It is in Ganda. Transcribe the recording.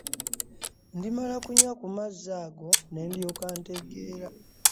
Ndimala kunywa ku mazzi ago nendyoka ntegeera.